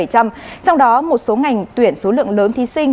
trong đó một số ngành tuyển số lượng lớn thí sinh